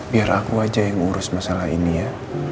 biar aku aja yang ngurus masalah ini ya